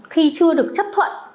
khi chưa được chấp thuận